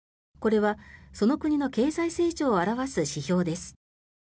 これはその国の経済成長を表す指標です。